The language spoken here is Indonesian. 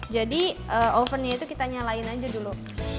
jadi ovennya itu kita nyalakan aja dulu